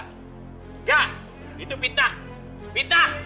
enggak itu fitnah fitnah